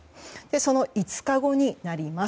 その５日後になります。